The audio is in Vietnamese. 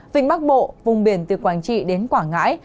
vịnh bắc bộ vùng biển từ quảng trị đến quảng ngãi